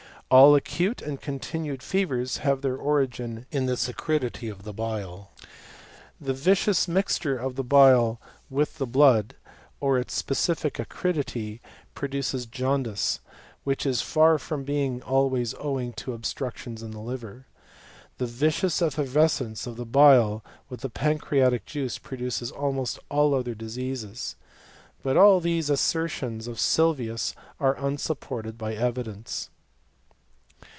All acute and continued fevers haw their origin in this acridity of the bile. The yiciooi VAK HELMOKT AKD THE IATR0 CHEMI8TS. 197 mixture of the bile with the blood, or its specific acri* dity, produces jaundice, which is far from being al ways owing to obstructions in the liver. The vicious eflFervescence of the bile with the pancreatic juice pro duces almost all other diseases. But all these asser tions of Sylvius are unsupported by evidence.